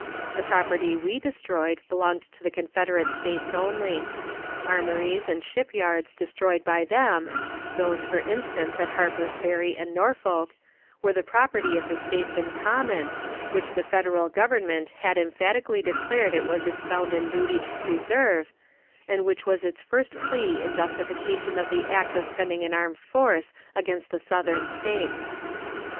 The property we destroyed belonged to the Confederate States only. Armories and ship yards destroyed by them those, for instance, at Harper's Ferry and Norfolk were the property of the States in common, which the Federal Government had emphatically declared it was its bounden duty to preserve, and which was its first plea in justification of the act of sending an armed force against the Southern States.